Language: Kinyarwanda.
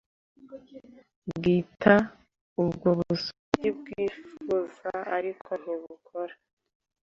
bwita ubwo busugi bwifuza ariko ntibukora